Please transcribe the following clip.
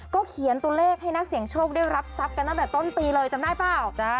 เขียนตัวเลขให้นักเสียงโชคได้รับทรัพย์กันตั้งแต่ต้นปีเลยจำได้เปล่า